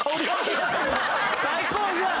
最高じゃん！